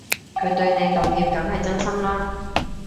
佢對你道歉梗係真心啦